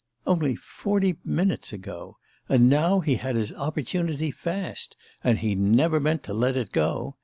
Only forty minutes ago! And now he had his opportunity fast! And he never meant to let it go!